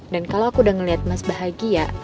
dan kalau aku udah ngeliat mas bahagia